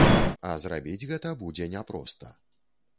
А зрабіць гэта будзе няпроста.